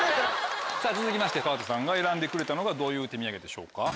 続きまして川田さんが選んでくれたのがどういう手土産でしょうか？